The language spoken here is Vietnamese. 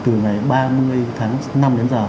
từ ngày ba mươi tháng năm đến giờ